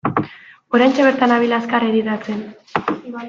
Oraintxe bertan nabil azkar editatzen.